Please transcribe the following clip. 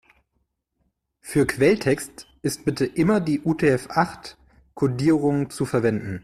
Für Quelltext ist bitte immer die UTF-acht-Kodierung zu verwenden.